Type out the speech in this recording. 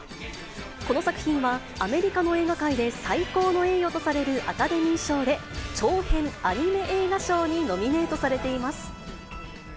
この作品は、アメリカの映画界で最高の栄誉とされるアカデミー賞で、長編アニメ映画賞にノミネートされています。